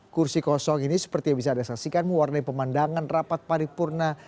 kursi kosong ini seperti yang bisa anda saksikan mewarnai pemandangan rapat paripurna